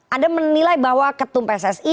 anda menilai bahwa ketum pssi